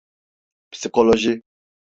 Psikoloji…